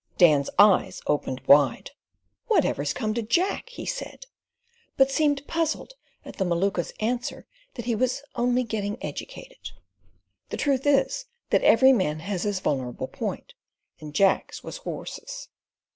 Dan's eyes opened wide. "Whatever's come to Jack?" he said; but seemed puzzled at the Maluka's answer that he was "only getting educated." The truth is, that every man has his vulnerable point, and Jack's was horses.